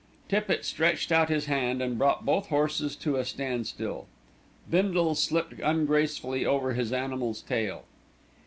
Tippitt stretched out his hand and brought both horses to a standstill. Bindle slipped ungracefully over his animal's tail.